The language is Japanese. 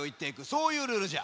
そういうルールじゃ。